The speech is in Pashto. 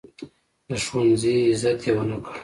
د ښوونځي عزت یې ونه کړ.